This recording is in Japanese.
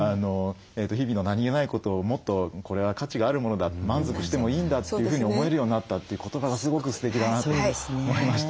「日々の何気ないことをもっとこれは価値があるものだ満足してもいいんだというふうに思えるようになった」という言葉がすごくすてきだなと思いました。